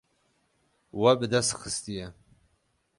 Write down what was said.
We bi dest xistiye.